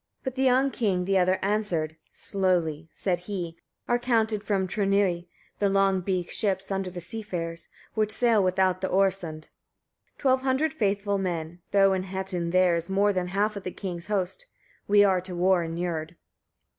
24. But the young king the other answered: "Slowly" said he "are counted from Tronuey the long beaked ships, under the seafarers, which sail without in the Oresund, 25. Twelve hundred faithful men; though in Hatun there is more than half of the king's host We are to war inured."